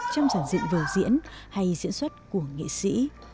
trong sản dự vừa diễn hay diễn xuất của nghệ sĩ